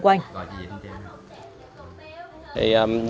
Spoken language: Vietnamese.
các nhà xung quanh